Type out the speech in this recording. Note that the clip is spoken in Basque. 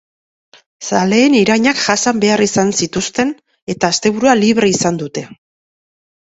Zaleen irainak jasan behar izan zituzten, eta asteburua libre izan dute.